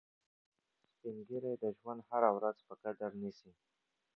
سپین ږیری د ژوند هره ورځ په قدر نیسي